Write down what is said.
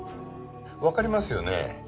分かりますよね？